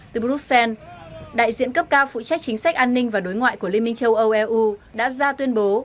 từ bruxelles đại diện cấp cao phụ trách chính sách an ninh và đối ngoại của liên minh châu âu eu đã ra tuyên bố